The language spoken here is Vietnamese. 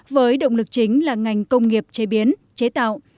với động lực chính là ngành công nghiệp chế biến chế tạo